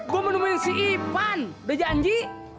gue mau nemuin si ivan beja anji